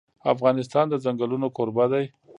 افغانستان د ځنګلونه کوربه دی.